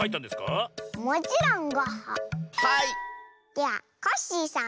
ではコッシーさん。